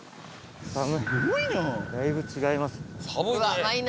寒いだいぶ違います。